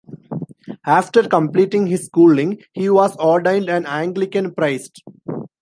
After completing his schooling, he was ordained an Anglican priest.